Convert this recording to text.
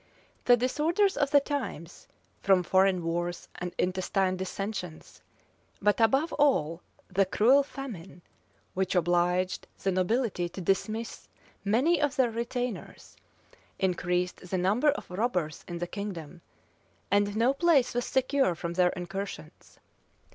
The disorders of the times, from foreign wars and intestine dissensions, but above all, the cruel famine, which obliged the nobility to dismiss many of their retainers, increased the number of robbers in the kingdom; and no place was secure from their incursions.